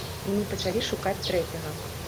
І мы пачалі шукаць трэцяга.